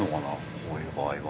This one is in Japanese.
こういう場合は。